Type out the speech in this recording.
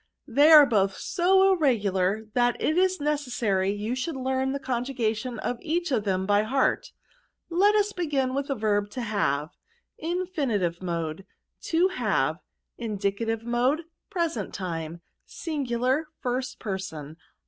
They are both so irregular, that it is necessary you should learn the conjugation of each of them by heart. Let us begin with the verb to have. iNriNrCIYB MOPK. To H^ve* Ihdicatits Moos. FrtterU Time. SiHguiar. Pitrnd 1st Person.